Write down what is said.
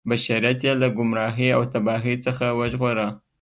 بشریت یې له ګمراهۍ او تباهۍ څخه وژغوره.